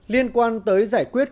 liên quan tới giải quyết